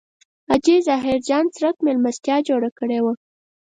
حاجي ظاهر جان څرک مېلمستیا جوړه کړې وه.